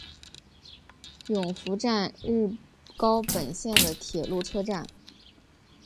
勇拂站日高本线的铁路车站。